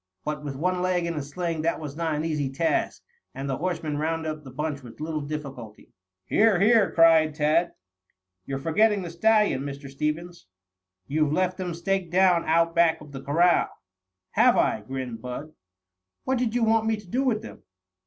But with one leg in a sling this was not an easy task, and the horsemen rounded up the bunch with little difficulty. "Here, here!" cried Tad. "You're forgetting the stallions, Mr. Stevens. You've left them staked down out back of the corral." "Have I?" grinned Bud. "What did you want me to do with them?"